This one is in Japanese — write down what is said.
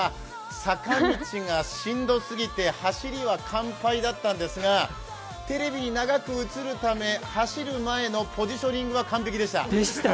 坂道がしんどすぎて走りは完敗だったんですが、テレビに長く映るため、走る前のポジショニングは完璧でした。